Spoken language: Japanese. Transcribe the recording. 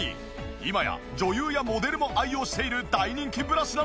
今や女優やモデルも愛用している大人気ブラシなんです！